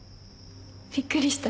びっくりした？